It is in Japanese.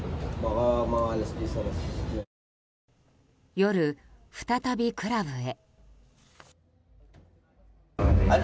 夜、再びクラブへ。